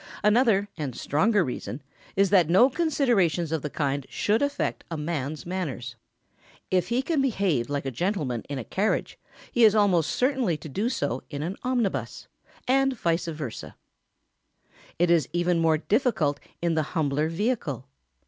Another and stronger reason is that no considerations of the kind should affect a man's manners. If he can behave like a gentleman in a carriage, he is almost certain to do so in an omnibus, and vice versâ. It is even more difficult in the humbler vehicle.